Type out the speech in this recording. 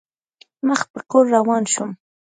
مخ په کور روان شوم.